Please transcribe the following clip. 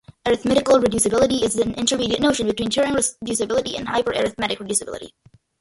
Arithmetical reducibility is an intermediate notion between Turing reducibility and hyperarithmetic reducibility.